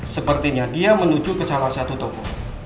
sepertinya dia menuju ke salah satu toko